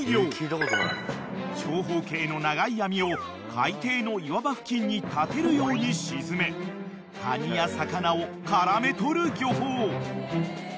［長方形の長い網を海底の岩場付近に立てるように沈めカニや魚をからめ捕る漁法］